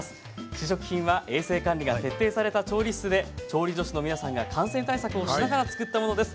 試食品は衛生管理が徹底された調理室で調理助手の皆さんが感染対策をしながら作ったものです。